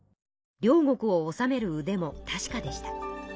領国を治めるうでも確かでした。